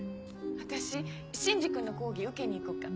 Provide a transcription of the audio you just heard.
私真司君の講義受けに行こっかな。